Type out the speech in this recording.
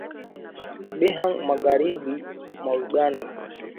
Bihanga magharibi mwa Uganda